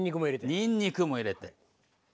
にんにくも入れて。